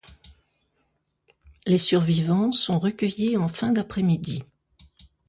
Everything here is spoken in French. Les survivants sont recueillis en fin d'après-midi.